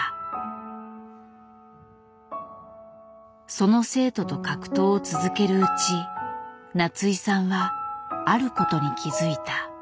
その生徒と格闘を続けるうち夏井さんはあることに気付いた。